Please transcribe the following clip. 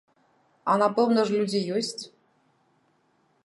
А напэўна ж, людзі ёсць.